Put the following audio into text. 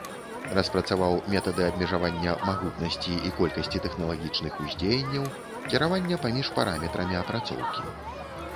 Распрацаваў метады абмежавання магутнасці і колькасці тэхналагічных уздзеянняў, кіравання паміж параметрамі апрацоўкі.